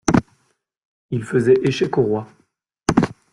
Ils faisaient échec au roi.